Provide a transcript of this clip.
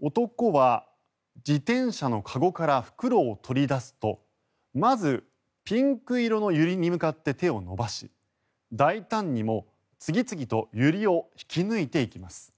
男は自転車の籠から袋を取り出すとまず、ピンク色のユリに向かって手を伸ばし大胆にも次々とユリを引き抜いていきます。